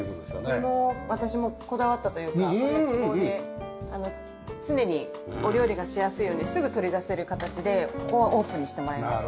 これも私もこだわったというかこれは希望で常にお料理がしやすいようにすぐ取り出せる形でここはオープンにしてもらいました。